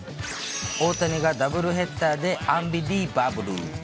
大谷がダブルヘッダーでアンビリーバブル！